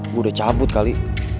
gua udah cabut kali